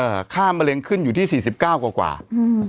ค่ามะเร็งขึ้นอยู่ที่สี่สิบเก้ากว่ากว่าอืม